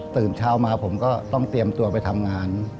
ตื่นเช้ามาผมก็ต้องเตรียมตัวไปทำงาน